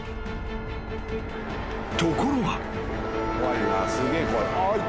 ［ところが］